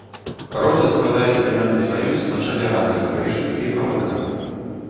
Роды складаюць племянны саюз на чале рады старэйшын і правадыра.